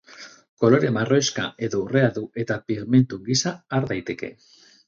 Kolore marroixka edo urrea du eta pigmentu gisa har daiteke.